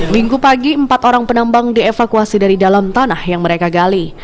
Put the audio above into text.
minggu pagi empat orang penambang dievakuasi dari dalam tanah yang mereka gali